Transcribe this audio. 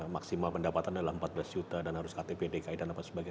maksimal pendapatan adalah empat belas juta dan harus ktp dki dan apa sebagainya